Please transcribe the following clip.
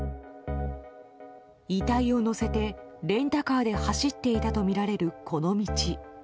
遺体を乗せてレンタカーで走っていたとみられる、この道。